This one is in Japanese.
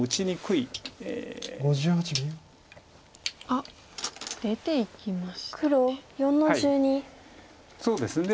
あっ出ていきましたね。